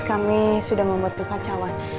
kami sudah membuat kebacawan